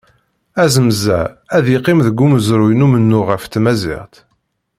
Azmez-a, ad yeqqim deg umezruy n umennuɣ ɣef tmaziɣt.